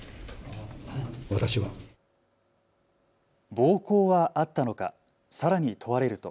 暴行はあったのかさらに問われると。